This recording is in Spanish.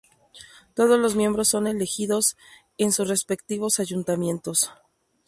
Todos los miembros son elegidos en sus respectivos ayuntamientos.